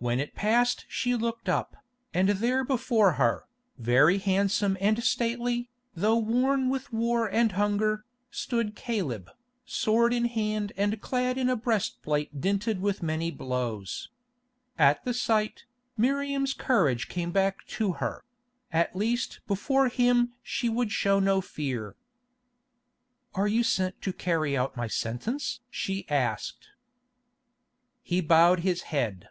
When it passed she looked up, and there before her, very handsome and stately, though worn with war and hunger, stood Caleb, sword in hand and clad in a breast plate dinted with many blows. At the sight, Miriam's courage came back to her; at least before him she would show no fear. "Are you sent to carry out my sentence?" she asked. He bowed his head.